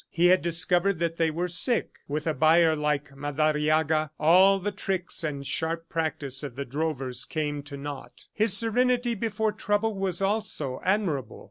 He had discovered that they were sick. With a buyer like Madariaga, all the tricks and sharp practice of the drovers came to naught. His serenity before trouble was also admirable.